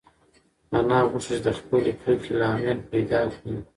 انا غوښتل چې د خپلې کرکې لامل پیدا کړي.